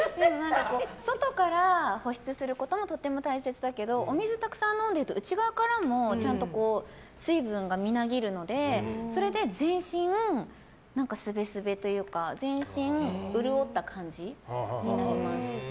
外から保湿することもとても大切だけどお水たくさん飲んでると内側からもちゃんと水分がみなぎるのでそれで全身すべすべというか全身潤った感じになります。